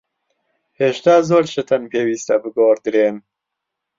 هێشتا زۆر شت هەن پێویستە بگۆڕدرێن.